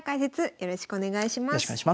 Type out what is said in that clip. よろしくお願いします。